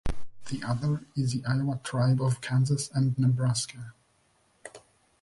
The other is the Iowa Tribe of Kansas and Nebraska.